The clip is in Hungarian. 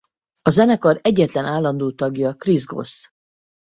A zenekar egyetlen állandó tagja Chris Goss.